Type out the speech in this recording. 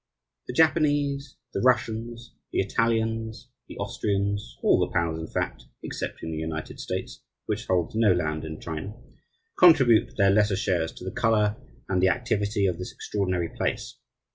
The Japanese, the Russians, the Italians, the Austrians, all the powers, in fact, excepting the United States which holds no land in China contribute their lesser shares to the colour and the activity of this extraordinary place.